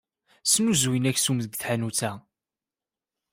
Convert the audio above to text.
Snuzuyen aksum deg tḥanut-a.